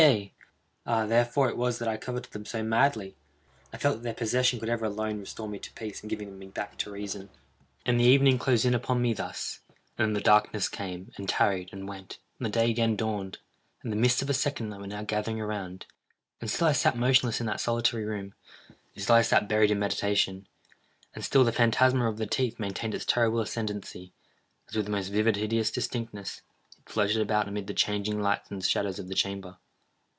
_—ah, therefore it was that I coveted them so madly! I felt that their possession could alone ever restore me to peace, in giving me back to reason. And the evening closed in upon me thus—and then the darkness came, and tarried, and went—and the day again dawned—and the mists of a second night were now gathering around—and still I sat motionless in that solitary room—and still I sat buried in meditation—and still the phantasma of the teeth maintained its terrible ascendancy, as, with the most vivid hideous distinctness, it floated about amid the changing lights and shadows of the chamber.